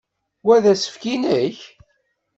Wa d asefk i nekk?